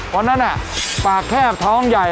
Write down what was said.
เพราะฉะนั้นปากแคบท้องใหญ่